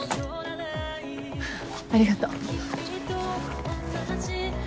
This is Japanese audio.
ありがとう。